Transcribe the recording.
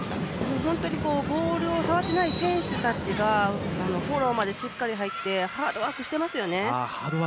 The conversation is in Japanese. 本当にボールを触ってない選手たちがフォローまでしっかり入ってハードワークをしていますよね。